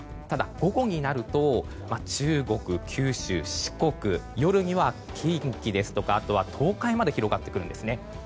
ただ、午後になると中国、九州、四国夜には近畿や東海まで広がってくるんですね。